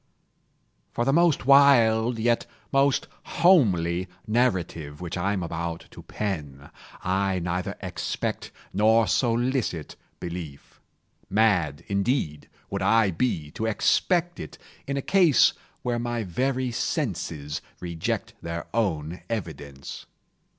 For the most wild, yet most homely narrative which I am about to pen, I neither expect nor solicit belief. Mad indeed would I be to expect it, in a case where my very senses reject their own evidence.